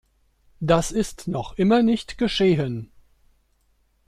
Das ist noch immer nicht geschehen.